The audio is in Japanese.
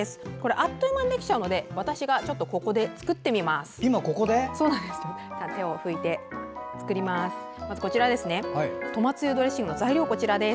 あっという間にできちゃうので私がここで作ってみます。